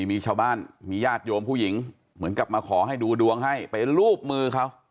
มีชาวบ้านมีญาติโยมผู้หญิงเหมือนกับมาขอให้ดูดวงให้ไปรูปมือเขา